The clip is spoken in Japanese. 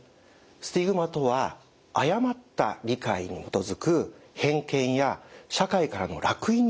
スティグマとは誤った理解に基づく偏見や社会からの烙印のことを指します。